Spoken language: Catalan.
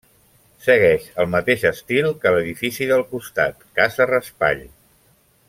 Segueix el mateix estil que l'edifici del costat, casa Raspall.